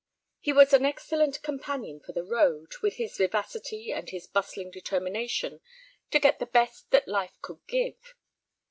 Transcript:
He was an excellent companion for the road, with his vivacity and his bustling determination to get the best that life could give.